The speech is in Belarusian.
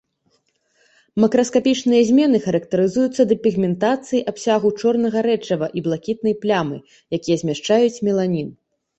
Макраскапічныя змены характарызуюцца дэпігментацыяй абсягаў чорнага рэчыва і блакітнай плямы, якія змяшчаюць меланін.